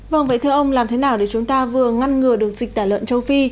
vâng vậy thưa ông làm thế nào để chúng ta vừa ngăn ngừa được dịch tả lợn châu phi